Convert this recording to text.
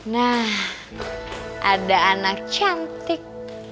nah ada anak cantik